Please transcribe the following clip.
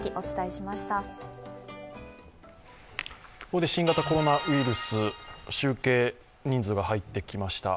ここで新型コロナウイルス、集計人数が入ってきました。